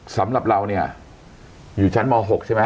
สำหรับเราเนี่ยอยู่ชั้นม๖ใช่ไหม